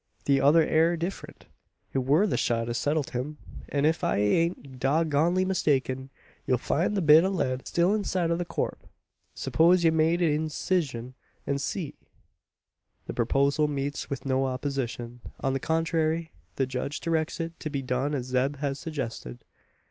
The other air different. It wur the shot as settled him; an ef I ain't dog gonedly mistaken, ye'll find the bit o' lead still inside o' the corp. Suppose ye make a incizyun, an see!" The proposal meets with no opposition. On the contrary, the judge directs it to be done as Zeb has suggested.